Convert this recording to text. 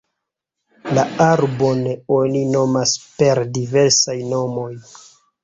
La arbon oni nomas per diversaj nomoj.